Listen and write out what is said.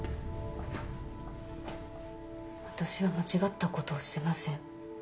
私は間違ったことをしてません。